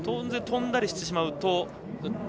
とんだりしてしまうと。